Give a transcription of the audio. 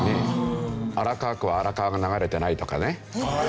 荒川区は荒川が流れてないとかね。